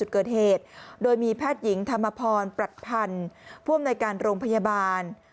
เกิดเหตุโดยมีแพทย์หญิงธรรมพรปรัชพันธ์ผู้อำนวยการโรงพยาบาล